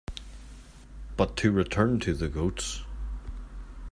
But to return to the goats.